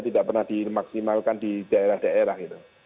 tidak pernah dimaksimalkan di daerah daerah